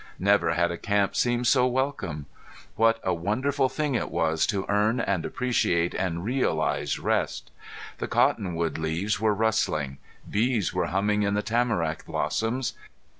Never had a camp seemed so welcome! What a wonderful thing it was to earn and appreciate and realize rest! The cottonwood leaves were rustling; bees were humming in the tamarack blossoms.